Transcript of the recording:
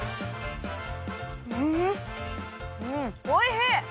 うんおいしい！